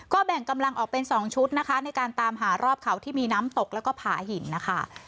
แบ่งกำลังออกเป็น๒ชุดนะคะในการตามหารอบเขาที่มีน้ำตกแล้วก็ผาหินนะคะ